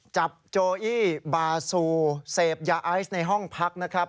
โจอี้บาซูเสพยาไอซ์ในห้องพักนะครับ